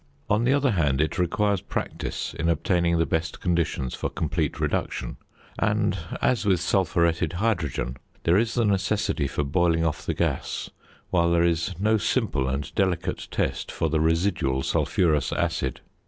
On the other hand it requires practice in obtaining the best conditions for complete reduction; and, as with sulphuretted hydrogen, there is the necessity for boiling off the gas, while there is no simple and delicate test for the residual sulphurous acid.